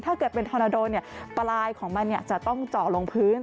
ถ้าเกิดเป็นทอนาโดปลายของมันจะต้องเจาะลงพื้น